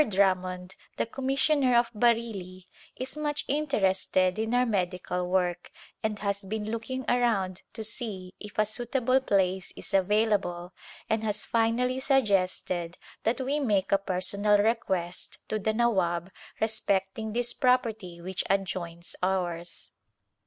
Drummond, the Commissioner of Bareilly, is much interested in our medical work and has been looking around to see if a suitable place is available and has finally suggested that we make a personal re quest to the Nawab respecting this property which adjoins ours.